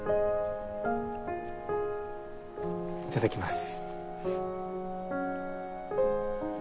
いただきます。